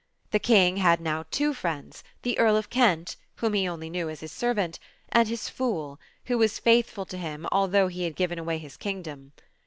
The King had now two friends — the Earl of Kent, whom he only knew as his servant, and his Fool, who was faith ful to him although he had given away his kingdom.